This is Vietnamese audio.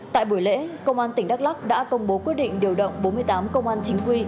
tại buổi lễ công an tỉnh đắk lắc đã công bố quyết định điều động bốn mươi tám công an chính quy